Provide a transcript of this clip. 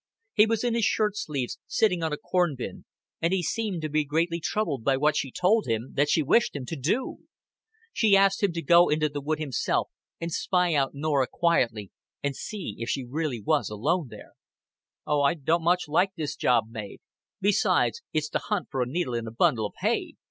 He was in his shirt sleeves, sitting on a corn bin, and he seemed to be greatly troubled by what she told him that she wished him to do. She asked him to go into the wood himself and spy out Norah quietly, and see if she was really alone there. "Oh, I don't much like this job, Mav. Besides, it's to hunt for a needle in a bundle of hay.